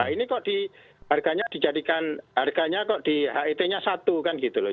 ini kok di harganya dijadikan harganya kok di het nya satu kan gitu loh